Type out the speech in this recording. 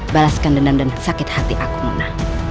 balaskan dendam dan sakit hati aku muna